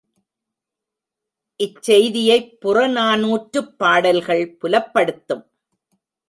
இச்செய்தியைப் புறநானூற்றுப் பாடல்கள் புலப்படுத்தும்.